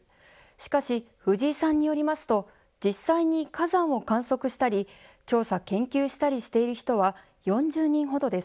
しかし、藤井さんによりますと、実際に火山を観測したり、調査、研究したりしている人は４０人ほどです。